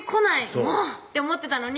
もうって思ってたのに